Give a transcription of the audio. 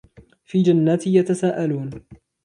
في جنات يتساءلون